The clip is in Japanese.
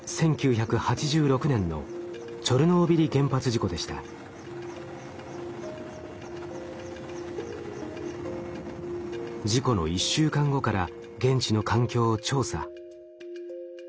転機となったのは事故の１週間後から現地の環境を調査。